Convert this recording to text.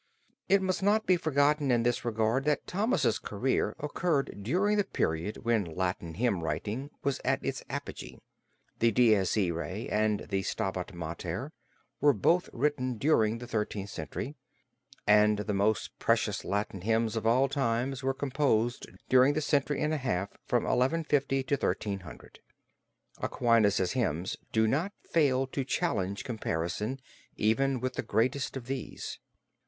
It must not be forgotten in this regard that Thomas's career occurred during the period when Latin hymn writing was at its apogee. The Dies Irae and the Stabat Mater were both written during the Thirteenth Century, and the most precious Latin hymns of all times were composed during the century and a half from 1150 to 1300. Aquinas's hymns do not fail to challenge comparison even with the greatest of these.